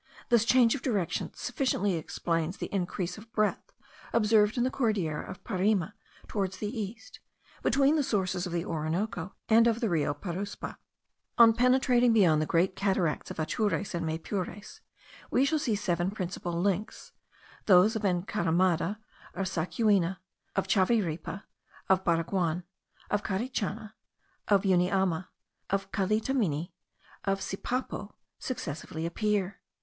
This change of direction sufficiently explains the increase of breadth observed in the Cordillera of Parime towards the east, between the sources of the Orinoco and of the Rio Paruspa. On penetrating beyond the great cataracts of Atures and of Maypures, we shall see seven principal links, those of Encaramada or Sacuina, of Chaviripa, of Baraguan, of Carichana, of Uniama, of Calitamini, and of Sipapo, successively appear.